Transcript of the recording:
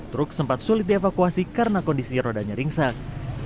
truk sempat sulit dievakuasi karena kondisi rodanya ringsek